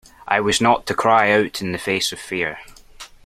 I was not to cry out in the face of fear.